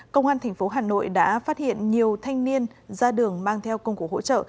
công an tp hà nội đã phát hiện nhiều thanh niên ra đường mang theo công cụ hỗ trợ